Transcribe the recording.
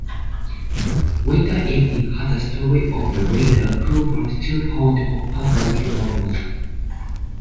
"Winter Evenings" has a story of Belinda who was too fond of "pathetic" novels.